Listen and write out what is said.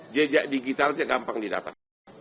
jejak digitalnya gampang didapat